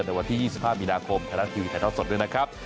ในวันที่๒๕มีนาคมทะละทีวีไทยท่อนสดด้วยนะครับ